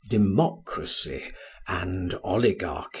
Democracy and Oligarchy."